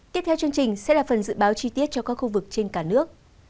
tiếp theo chương trình sẽ là phần dự báo chi tiết cho các khu vực trên cả nước